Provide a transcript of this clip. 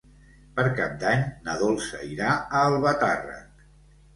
Per Cap d'Any na Dolça irà a Albatàrrec.